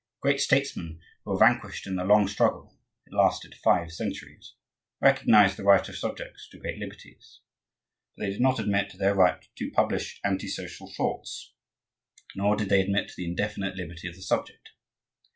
The great statesmen who were vanquished in the long struggle (it lasted five centuries) recognized the right of subjects to great liberties; but they did not admit their right to publish anti social thoughts, nor did they admit the indefinite liberty of the subject.